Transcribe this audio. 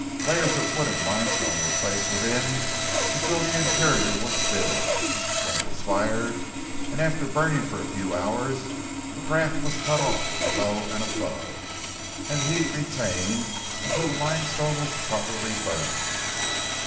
Layers of wood and limestone were placed within until the interior was filled, when it was fired, and after burning for a few hours the draft was cut off below and above, and the heat retained until the limestone was properly burned.